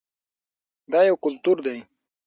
دا یو کلتور دی.